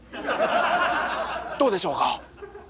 どうでしょうか？